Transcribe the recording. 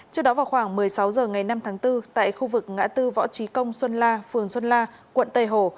trước đó vào khoảng một mươi sáu h ngày năm tháng bốn tại khu vực ngã tư võ trí công xuân la phường xuân la quận tây hồ